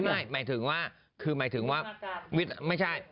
ไม่หมายถึงว่าคือหมายถึงว่าไม่ใช่